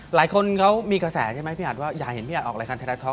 หลายคนเขามีกระแสใช่ไหมพี่อัดว่าอยากเห็นพี่อัดออกรายการไทยรัฐท็อ